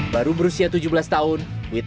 baru berusia tujuh belas tahun witan menang